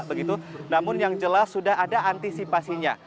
begitu namun yang jelas sudah ada antisipasinya